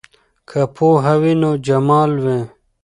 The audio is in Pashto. که پوهه وي نو جمال وي.